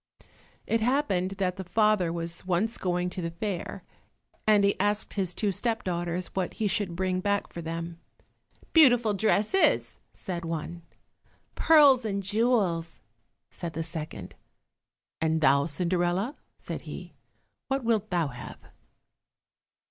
It happened that the father was once going to the fair, and he asked his two step daughters what he should bring back for them. "Beautiful dresses," said one, "Pearls and jewels," said the second. "And thou, Cinderella," said he, "what wilt thou have?"